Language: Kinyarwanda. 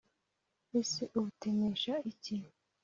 ese Ubutemesha iki ?»